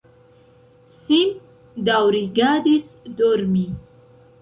Sim daŭrigadis dormi.